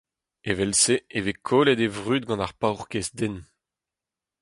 Evel-se e vez kollet e vrud gant ar paourkaezh den.